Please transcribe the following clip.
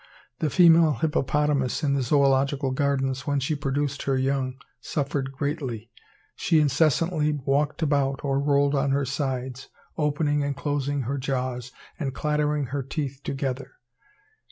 The female hippopotamus in the Zoological Gardens, when she produced her young, suffered greatly; she incessantly walked about, or rolled on her sides, opening and closing her jaws, and clattering her teeth together.